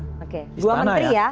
oke dua menteri ya